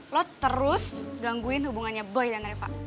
lo terus gangguin hubungannya boy dan reva